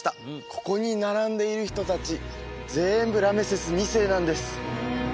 ここに並んでいる人達全部ラメセス２世なんです